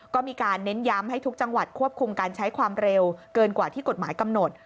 ก็มีการเน้นย้ำให้ทุกจังหวัดควบคุมการใช้ความเร็วเกินกว่าที่กฎหมายกำหนด